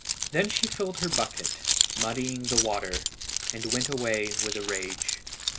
Then she filled her bucket, muddying the water, and away she went in a rage.